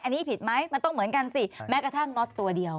อันนี้ผิดไหมมันต้องเหมือนกันสิแม้กระทั่งน็อตตัวเดียว